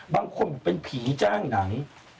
บางคนบอกเป็นผีจ้างหนัง